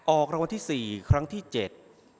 ออกรางวัลที่สี่ครั้งที่เจ็ด